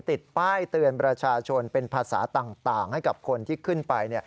ติดป้ายเตือนประชาชนเป็นภาษาต่างให้กับคนที่ขึ้นไป